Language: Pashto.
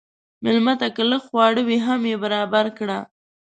مېلمه ته که لږ خواړه وي، هم یې برابر کړه.